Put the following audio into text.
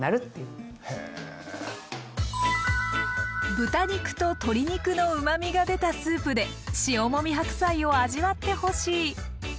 豚肉と鶏肉のうまみが出たスープで塩もみ白菜を味わってほしい。